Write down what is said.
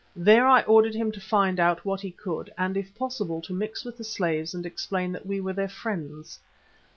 There I ordered him to find out what he could, and if possible to mix with the slaves and explain that we were their friends.